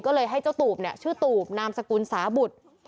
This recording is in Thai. ก็เลยให้เจ้าตูบเนี่ยชื่อตูบนามสกุลสาบุตร